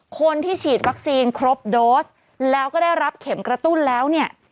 คนที่ฉีดวัคซีนครบโดสแล้วก็ได้รับเข็มกระตุ้นแล้วเนี่ย